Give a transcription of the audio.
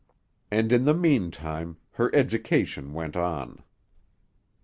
And, in the meantime, her education went on.